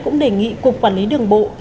cũng đề nghị cục quản lý đường bộ